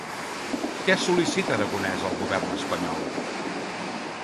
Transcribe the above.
Què sol·licita Aragonès al govern espanyol?